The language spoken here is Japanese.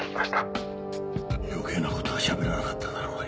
余計な事はしゃべらなかっただろうね？